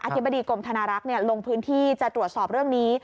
ธิบดีกรมธนารักษ์ลงพื้นที่จะตรวจสอบเรื่องนี้